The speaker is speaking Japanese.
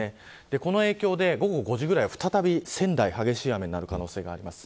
この影響で午後５時ぐらい再び仙台、激しい雨になる可能性があります。